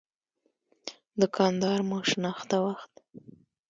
دوکان دار مو شناخته وخت.